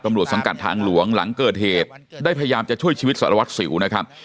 ตำรวจสังกัดทางหลวงหลังเกิดเหตุได้พยายามจะช่วยชีวิตสารวัตรสิวนะครับ